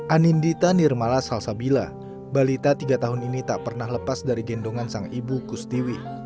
anindita nirmala salsabila balita tiga tahun ini tak pernah lepas dari gendongan sang ibu kustiwi